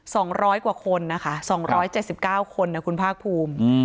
สองร้อยกว่าคนนะคะสองร้อยเจ็ดสิบเก้าคนนะคุณภาคภูมิอืม